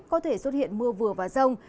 có thể xuất hiện mưa vừa và rông